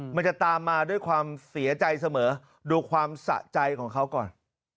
มันจะตามมาด้วยความเสียใจเสมอดูความสะใจของเขาก่อน